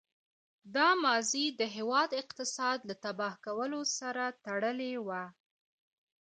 دا ماضي د هېواد اقتصاد له تباه کولو سره تړلې وه.